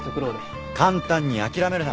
簡単に諦めるな。